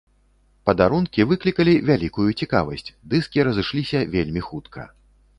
Падарункі выклікалі вялікую цікавасць, дыскі разышліся вельмі хутка.